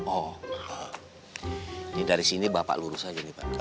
oh ini dari sini bapak lurus aja nih pak